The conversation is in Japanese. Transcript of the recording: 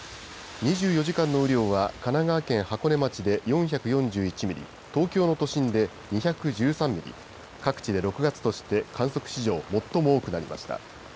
２４時間の雨量は神奈川県箱根町で４４１ミリ、東京の都心で２１３ミリ、各地で６月として観測史上最も多くなりました。